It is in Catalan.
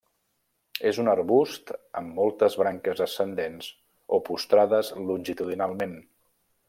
És un arbust amb moltes branques ascendents o postrades longitudinalment.